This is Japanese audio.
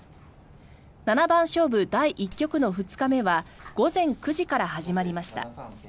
七番勝負第１局の２日目は午前９時から始まりました。